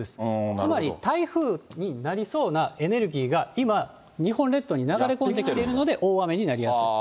つまり台風になりそうなエネルギーが今、日本列島に流れ込んできているので大雨になりやすい。